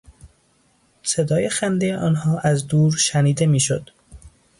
صدای خندهی آنها از دور شنیده میشد.